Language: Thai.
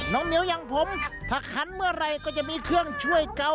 เหนียวอย่างผมถ้าขันเมื่อไหร่ก็จะมีเครื่องช่วยเก่า